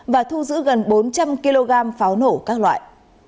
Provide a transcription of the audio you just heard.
và thu giữ gần bốn trăm linh kg pháo nổ các loại